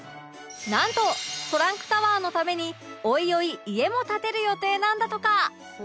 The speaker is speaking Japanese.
なんとトランクタワーのためにおいおい家も建てる予定なんだとか